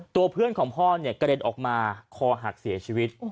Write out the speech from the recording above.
ตัวเพื่อนของพ่อเนี่ยกระเด็นออกมาคอหักเสียชีวิต